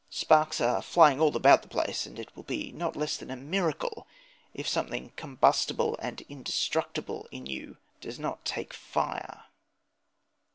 Sparks are flying all about the place, and it will be not less than a miracle if something combustible and indestructible in you does not take fire.